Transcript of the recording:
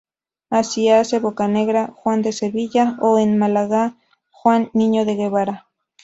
Así hacen Bocanegra, Juan de Sevilla o, en Málaga, Juan Niño de Guevara.